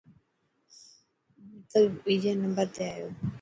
بوتل ٻيجي نمبر تي آيو.